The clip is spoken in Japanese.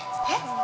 はい。